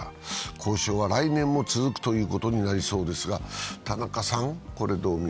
交渉は来年も続くということになりそうですが。